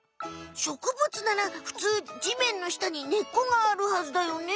植物ならふつうじめんのしたに根っこがあるはずだよね。